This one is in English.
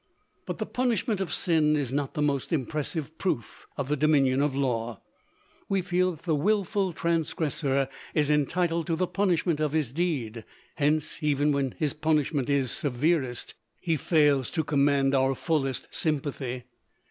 But the punishment of sin is not the most impressive proof of the dominion of law. We feel that the willful transgressor is entitled to the punishment of his deed; hence, even when his punishment is severest, he fails to command our fullest sympathy.